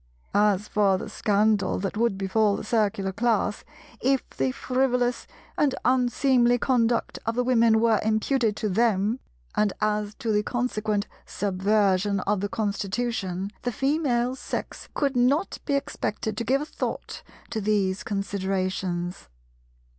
As for the scandal that would befall the Circular Class if the frivolous and unseemly conduct of the Women were imputed to them, and as to the consequent subversion of the Constitution, the Female Sex could not be expected to give a thought to these considerations.